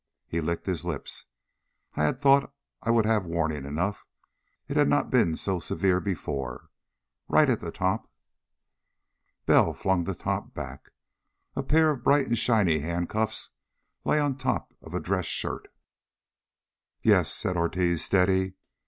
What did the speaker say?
He licked his lips. "I I had thought I would have warning enough. It has not been so severe before. Right at the top...." Bell flung the top back. A pair of bright and shiny handcuffs lay on top of a dress shirt. "Yes," said Ortiz steadily.